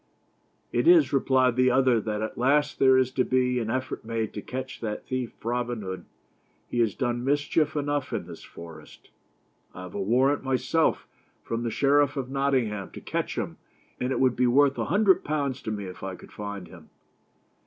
"It is," replied the other, "that at last there is to be an effort made to catch that thief, Robin Hood. He has done mischief enough in this forest. I have a warrant, myself, from the Sheriff of Nottingham to catch him ; and it would be worth a hundred pounds to me if I could find him."